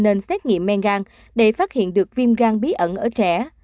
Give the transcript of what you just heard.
nên xét nghiệm men gan để phát hiện được viêm gan bí ẩn ở trẻ